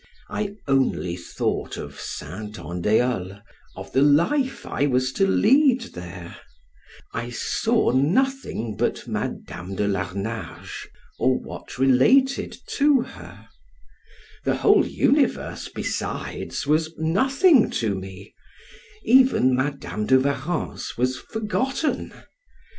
I only thought of Saint Andiol; of the life I was to lead there; I saw nothing but Madam de Larnage, or what related to her; the whole universe besides was nothing to me even Madam de Warrens was forgotten!